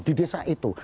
di desa itu